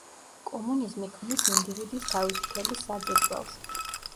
კომუნიზმი ქმნის ინდივიდის თავისუფლების საძირკველს.